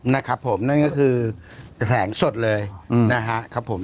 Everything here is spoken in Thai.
นะครับผมนั่นก็คือแหล่งสดเลยนะครับ